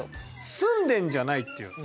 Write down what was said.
住んでんじゃないっていう。